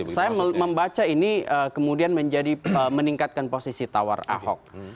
saya membaca ini kemudian menjadi meningkatkan posisi tawar ahok